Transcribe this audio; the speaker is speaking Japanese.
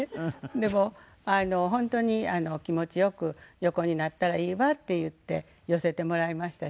でも本当に気持ち良く「横になったらいいわ」って言って寄せてもらいましたし。